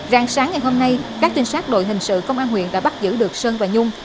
ráng sáng ngày hôm nay các trinh sát đội hình sự công an huyện đã bắt giữ được sơn và nhung